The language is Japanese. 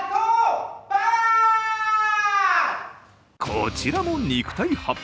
こちらも肉体派。